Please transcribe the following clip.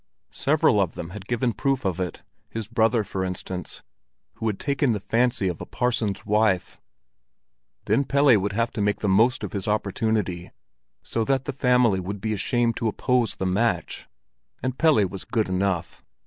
Several of them had given proof of it—his brother, for instance, who had taken the fancy of a parson's wife. Then Pelle would have to make the most of his opportunity so that the family would be ashamed to oppose the match. And Pelle was good enough.